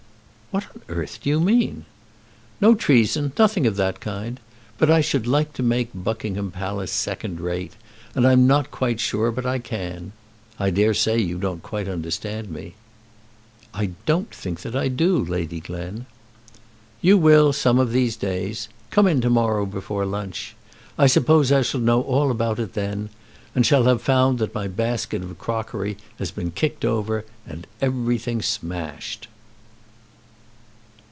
"What on earth do you mean?" "No treason; nothing of that kind. But I should like to make Buckingham Palace second rate; and I'm not quite sure but I can. I dare say you don't quite understand me." "I don't think that I do, Lady Glen." "You will some of these days. Come in to morrow before lunch. I suppose I shall know all about it then, and shall have found that my basket of crockery has been kicked over and every thing smashed."